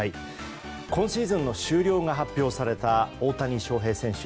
今シーズンの終了が発表された大谷翔平選手。